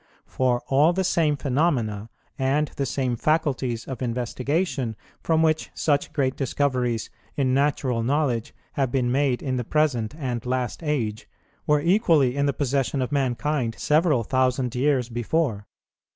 For all the same phenomena, and the same faculties of investigation, from which such great discoveries in natural knowledge have been made in the present and last age, were equally in the possession of mankind several thousand years before.